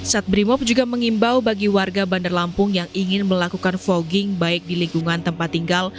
sat brimob juga mengimbau bagi warga bandar lampung yang ingin melakukan fogging baik di lingkungan tempat tinggal